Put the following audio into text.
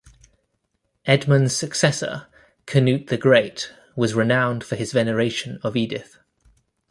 Edmund's successor, Cnut the Great, was renowned for his veneration of Edith.